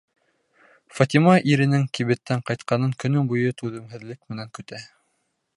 Фатима иренең кибеттән ҡайтҡанын көнө буйы түҙемһеҙлек менән көтә.